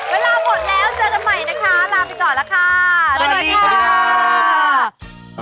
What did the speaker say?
เวลาหมดแล้วเจอกันใหม่นะคะลาไปก่อนแล้วค่ะสวัสดีค่ะ